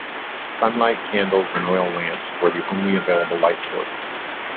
Sunlight, candles and oil lamps were the only available light sources.